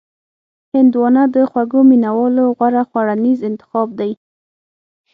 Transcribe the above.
هندوانه د خوږو مینوالو غوره خوړنیز انتخاب دی.